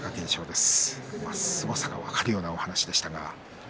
すごさが分かるようなお話でしたが。